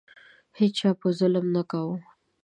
هیچا په بل ظلم نه کاوه.